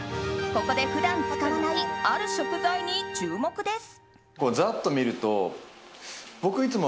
ここで普段、使わないある食材に注目です。